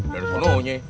dari sana aja